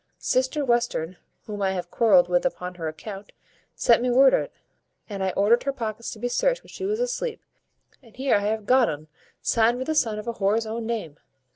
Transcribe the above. Sister Western, whom I have quarrelled with upon her account, sent me word o't, and I ordered her pockets to be searched when she was asleep, and here I have got un signed with the son of a whore's own name.